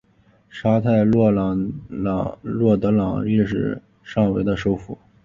沙泰洛德朗历史上为的首府。